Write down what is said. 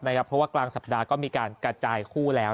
เพราะว่ากลางสัปดาห์ก็มีการกระจายคู่แล้ว